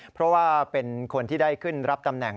เพราะว่าเป็นคนที่ได้ขึ้นรับตำแหน่ง